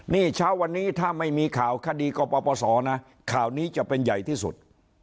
นี่เช้าวันนี้ถ้าไม่มีข่าวคดีกปศนะข่าวนี้จะเป็นใหญ่ที่สุด